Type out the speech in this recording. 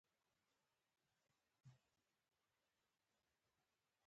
چي ملګري تاته ګران وه هغه ټول دي زمولېدلي